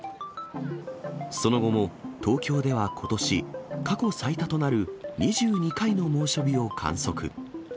その後も、東京ではことし、過去最多となる２２回の猛暑日を観測。